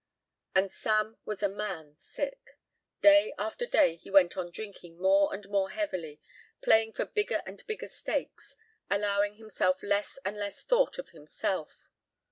And Sam was a man sick. Day after day he went on drinking more and more heavily, playing for bigger and bigger stakes, allowing himself less and less thought of himself.